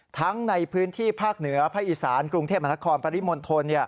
ทั้งในพื้นที่ภาคเหนือภาคอีสานกรุงเทพมนครปริมณฑล